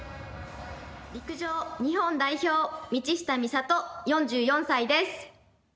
陸上日本代表、道下美里４４歳です。